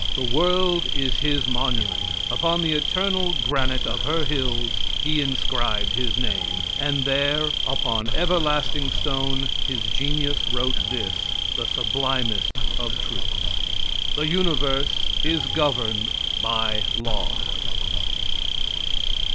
The world is his monument; upon the eternal granite of her hills he inscribed his name, and there, upon everlasting stone, his genius wrote this, the sublimest of truths: "THE UNIVERSE IS GOVERNED BY LAW!"